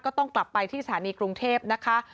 ก็ต้องกลับไปที่สถานีกรุงเทพนะคะ